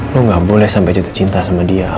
lo gak boleh sampai cinta cinta sama dia al